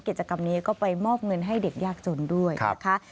กิจกรรมนี้ก็ไปมอบเงินให้เด็กยากจนด้วยนะคะ